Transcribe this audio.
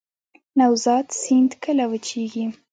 نوزاد سیند کله وچیږي؟